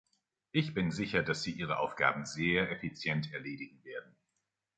Ich bin sicher, dass Sie Ihre Aufgaben sehr effizient erledigen werden.